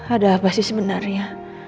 ada apa sih sebenarnya